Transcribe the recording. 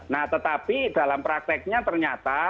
nah tetapi dalam prakteknya ternyata